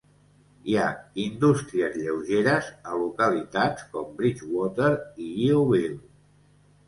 Hi ha indústries lleugeres a localitats com Bridgwater i Yeovil.